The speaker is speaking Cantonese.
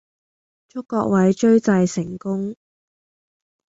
祝各位追債成功